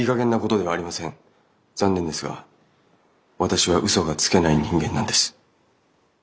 残念ですが私は嘘がつけない人間なんです。